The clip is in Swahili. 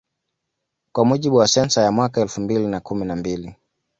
Kwa mujibu wa sensa ya mwaka elfu mbili na kumi na mbili